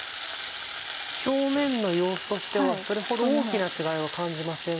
表面の様子としてはそれほど大きな違いは感じませんが。